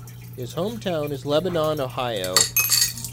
His hometown is Lebanon, Ohio.